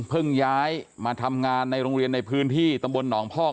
ย้ายมาทำงานในโรงเรียนในพื้นที่ตำบลหนองพอก